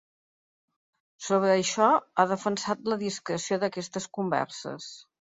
Sobre això, ha defensat la discreció d’aquestes converses.